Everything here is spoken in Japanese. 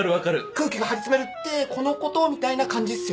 空気が張り詰めるってこのことみたいな感じっすよね。